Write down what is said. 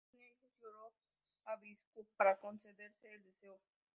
Él no tenía hijos y oró a Visnú para concederle el deseo.